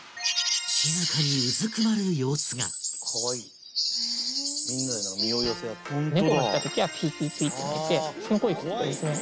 静かにうずくまる様子がかわいいみんなで身を寄せ合って猫が来たときは「ピーピーピー」って鳴いてその声聞くとですね